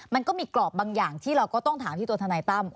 มันก็มีกรอบบางอย่างที่เราก็ต้องถามที่ตัวทนายตั้ม